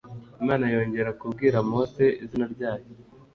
Imana yongera kubwira Mose izina ryayo